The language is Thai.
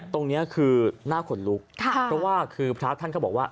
ตรงนี้คือหน้าขนลุกเพราะว่าคือพระท่านก็บอกว่า